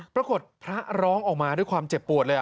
พระร้องออกมาด้วยความเจ็บปวดเลย